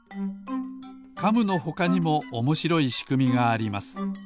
カムのほかにもおもしろいしくみがあります。